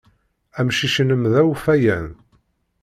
Amcic-nnem d awfayan.